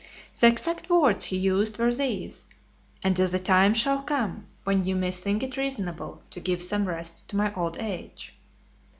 The exact words he used were these: "Until the time shall come, when ye may think it reasonable to give some rest to my old age."